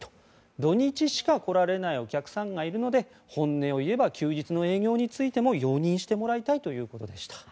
土日しか来られないお客さんがいるので本音を言えば休日の営業についても容認してもらいたいということでした。